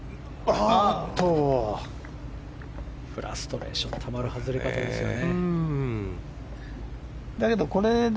フラストレーションたまる外れ方ですね。